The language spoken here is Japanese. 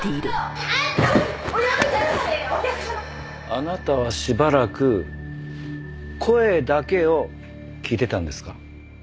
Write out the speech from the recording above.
あなたはしばらく声だけを聞いてたんですか？